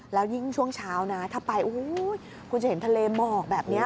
แล้วยิ่งช่วงเช้านะถ้าไปโอ้โหคุณจะเห็นทะเลหมอกแบบนี้